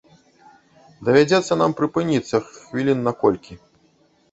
Давядзецца нам прыпыніцца хвілін на колькі.